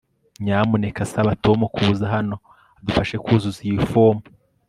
nyamuneka saba tom kuza hano adufashe kuzuza iyi fomu